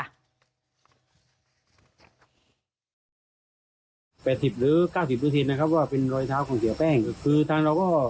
๘๐หรือ๙๐นิวทีนะครับก็เป็นรอยเท้าของเสียแป้ง